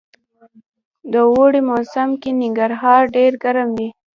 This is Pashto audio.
د اوړي موسم کي ننګرهار ډير ګرم وي